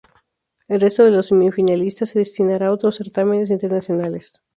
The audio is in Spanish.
El resto de los semifinalistas se destinará a otros certámenes internacionales.